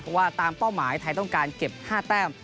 เพราะว่าตามเป้าหมายไทยต้องการเก็บ๕แต้ม